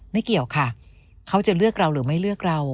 ไม่เกี่ยวค่ะเขาจะเลือกเราหรือไม่เลือกเรา